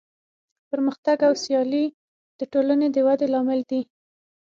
پرمختګ او سیالي د ټولنې د ودې لامل دی.